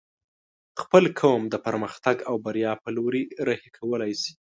خپل قوم د پرمختګ او بريا په لوري رهي کولی شې